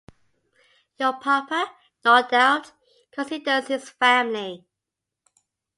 Your papa, no doubt, considers his family.